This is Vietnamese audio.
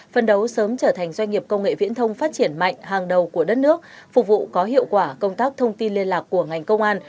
phân đấu sớm trở thành doanh nghiệp công nghệ viễn thông phát triển mạnh hàng đầu của đất nước phục vụ có hiệu quả công tác thông tin liên lạc của ngành công an